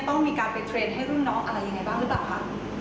ต้องมีการไปเทรนด์ให้รุ่นน้องอะไรยังไงบ้างหรือเปล่าคะ